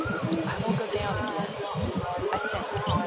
I will go down again, I think!